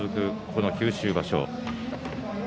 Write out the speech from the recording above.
この九州場所。